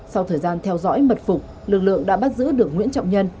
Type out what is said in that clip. sau thời gian theo dõi mật phục lực lượng đã bắt giữ được nguyễn trọng nhân